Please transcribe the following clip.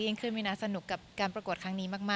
ยังคือวินาสนุกกับการประกวดครั้งนี้มากค่ะ